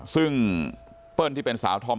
ซึ่งเปิ้ลที่เป็นสาวธอม